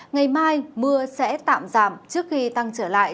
ngày mai mưa sẽ tạm giảm trước khi tăng trở lại